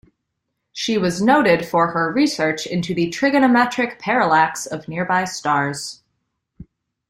She was noted for her research into the trigonometric parallax of nearby stars.